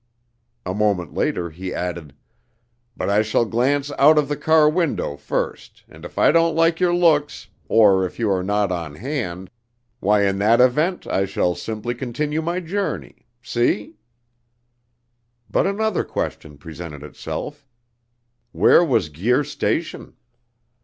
A moment later he added: "But I shall glance out of the car window first, and if I don't like your looks, or if you are not on hand, why in that event I shall simply continue my journey. See?" But another question presented itself. Where was Guir Station?